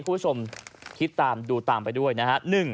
คุณผู้ชมคิดตามดูตามไปด้วยนะฮะ